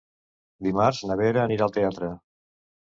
Dimarts na Vera anirà al teatre.